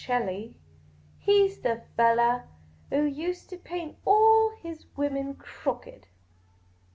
celli — he 's the fellah who used to paint all his women crooked.